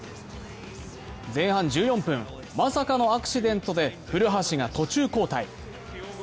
前半１４分、まさかのアクシデントで古橋が途中交代。